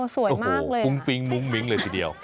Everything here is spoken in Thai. สวยมากเลยมุ่งฟิ้งมุ่งมิ้งเลยทีเดียว